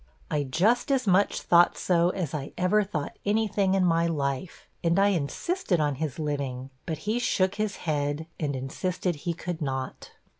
I just as much thought so, as I ever thought any thing in my life and I insisted on his living: but he shook his head, and insisted he could not.'